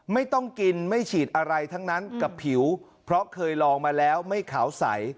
ไม่ต้องกินไม่ฉีดอะไรทั้งนั้นกับผิวเพราะเคยลองมาแล้วไม่ขาวใส